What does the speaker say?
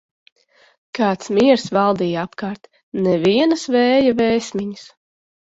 Kāds miers valdīja apkārt, nevienas vēja vēsmiņas.